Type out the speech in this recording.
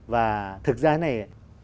và thực ra thế này